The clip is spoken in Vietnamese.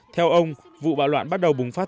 theo ông vụ bạo loạn bắt đầu bùng phát